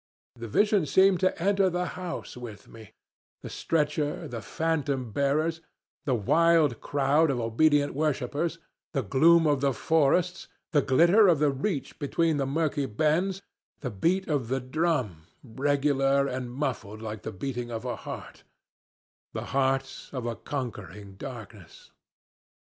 The vision seemed to enter the house with me the stretcher, the phantom bearers, the wild crowd of obedient worshipers, the gloom of the forests, the glitter of the reach between the murky bends, the beat of the drum, regular and muffled like the beating of a heart the heart of a conquering darkness.